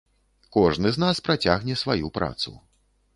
Кожны з нас працягне сваю працу.